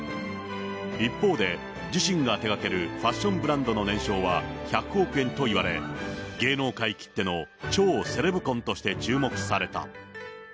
一方で、自身が手がけるファッションブランドの年商は１００億円といわれ、芸能界きっての超セレブ婚として注目された。